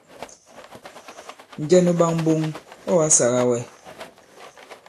Njɛ nu ɓak mboŋ ɔ̂ ǎ sāgā wɛ?